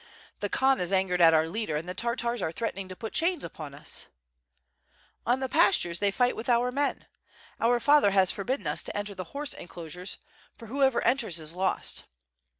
*' "The Khan is angered at our leader, and the Tartars are threatening to put chains upon us." "On the pastures they fight with our men. Our father has forbidden us to enter the horse enclosures, for whoever enters is lost."